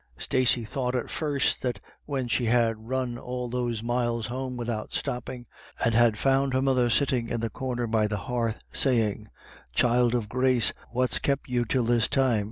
Stacey thought at first that when she had run I9« IRISH IDYLLS. all those miles home without stopping, and had found her mother sitting in the corner by the hearth saying, " Child of grace, what's kep* you till this time